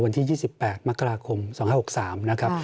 วันที่ยี่สิบแปดมกราคมสองห้าหกสามนะครับ